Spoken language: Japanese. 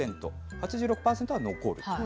８６％は残ると。